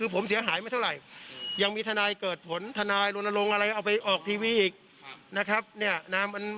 ผมเสียหายไม่เท่าไหร่ยังมีทนายเกิดผลทนายรณรงค์อะไรเอาไปออกทีวีอีกนะครับ